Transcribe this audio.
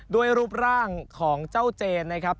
รูปร่างของเจ้าเจนนะครับ